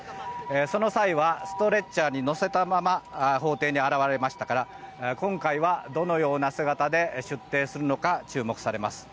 その際はストレッチャーに乗せたまま法廷に現れましたから今回はどのような姿で出廷するのか、注目されます。